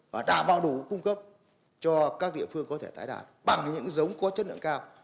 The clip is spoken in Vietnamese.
và đảm bảo đủ cung cấp cho các địa phương có thể tái đàn bằng những giống có chất lượng cao